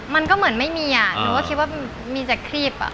มันก็เหมือนไม่มีอ่ะหนูก็คิดว่ามีแต่ครีบ